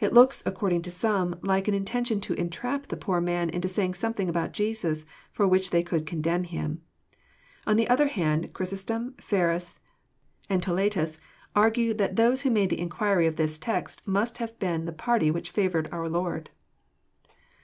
It looks, according to some, like an intention to entrap the poor man into saying something about Jesus for which they could con demn Him. On the other hand, Chrysostom, Ferns, and Toletns argue that those who made the inquiry of this text must have been the party which favoured our Lord.